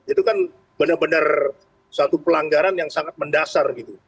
itu kan benar benar satu pelanggaran yang sangat mendasar gitu